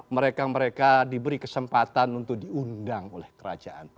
mereka mereka diberi kesempatan untuk diundang oleh kerajaan